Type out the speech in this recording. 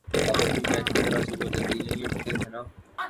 آپ اپنی بہن کی طرح صبح جلدی نہیں اٹھتے، ہے نا؟